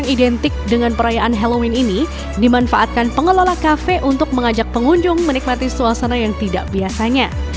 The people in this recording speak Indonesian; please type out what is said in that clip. menyelamatkan pengelola kafe untuk mengajak pengunjung menikmati suasana yang tidak biasanya